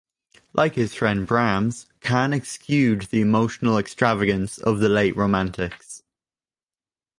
Like his friend Brahms, Kahn eschewed the emotional extravagance of the late Romantics.